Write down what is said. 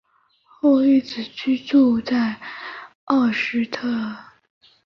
后一直居住在莫斯科。